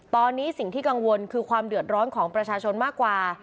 ตอนนี้สิ่งที่กังวลคือความเดือดร้อนของประชาชนมากกว่า